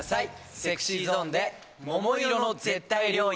ＳｅｘｙＺｏｎｅで「桃色の絶対領域」。